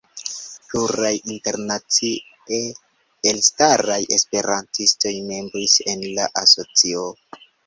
Pluraj internacie elstaraj esperantistoj membris en la asocio.